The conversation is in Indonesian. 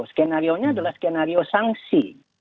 skenario nya adalah skenario sanksi